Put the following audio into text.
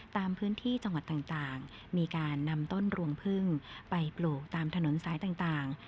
ตามพื้นที่จังหวัดต่างมีการนำต้นรวงพึ่งไปปลูกตามถนนสายต่าง